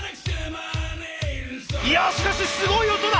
いやしかしすごい音だ！